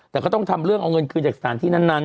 แต่ก็ต้องทำเรื่องเอาเงินคืนจากสถานที่นั้น